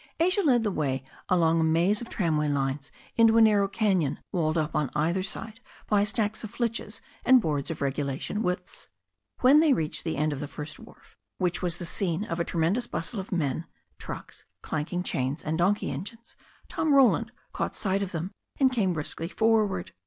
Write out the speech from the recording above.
Asia led the way along a maze of tramway lines into a narrow canyon walled up on either side by stacks of flitches and boards of regulation widths. When they reached the end of the first wharf, which was the scene of a tremendous bustle of men, trucks, clanking chains, and donkey engines, Tom Roland caught sight of them, and came briskly for ward.